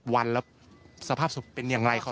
วันแล้วสภาพศพเป็นอย่างไร